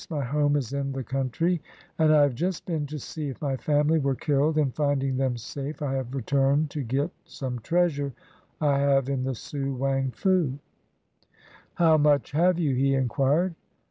My home is in the country, and I have just been to see if my family were killed, and finding them safe, I have returned to get some treasure I have in the Su Wang Fu." "How much have you?" he inquired.